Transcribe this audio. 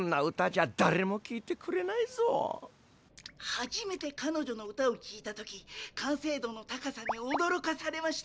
「はじめて彼女の歌をきいた時完成度の高さにおどろかされました。